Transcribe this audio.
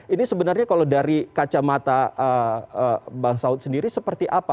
ini sebenarnya kalau dari kacamata bang saud sendiri seperti apa